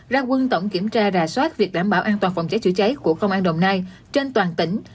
ra quân tổng kiểm tra rà soát việc đảm bảo an toàn phòng cháy chữa cháy của công an đồng nai trên toàn tỉnh